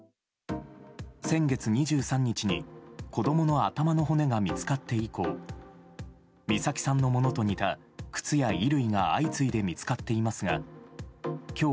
先月２３日に子供の頭の骨が見つかって以降美咲さんのものと似た靴や衣類が相次いで見つかっていますが今日